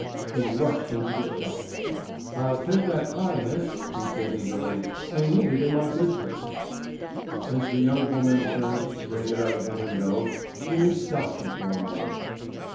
He rushed into the shop. "I'll take that pie, miss," he said eagerly. "I need it in my business." As the young woman turned to take it out of the window Jimmy stopped her for a moment.